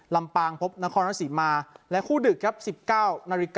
ลำปางพบนครสิมาและคู่ดึกครับ๑๙น